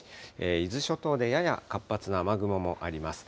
伊豆諸島でやや活発な雨雲もあります。